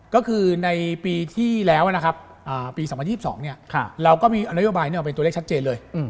ก็คือในปีที่แล้วนะครับปี๒๐๒๒เราก็มีนโยบายนี้ออกมาเป็นตัวเลขชัดเจนเลย